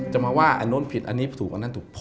จะมาว่าอันนู้นผิดอันนี้ถูกอันนั้นถูก